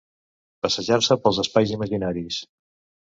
Passejar-se pels espais imaginaris.